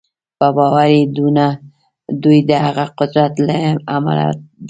په باور یې دوی د هغه قدرت له امله دلته دي